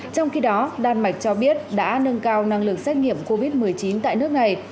trong khi đó đan mạch cho biết đã nâng cao năng lực xét nghiệm covid một mươi chín tại nước này